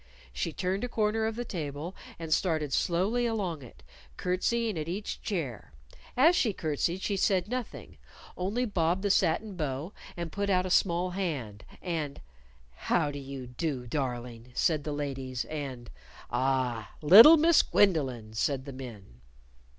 She turned a corner of the table and started slowly along it, curtseying at each chair. As she curtsied she said nothing, only bobbed the satin bow and put out a small hand. And, "How do you do, darling!" said the ladies, and "Ah, little Miss Gwendolyn!" said the men.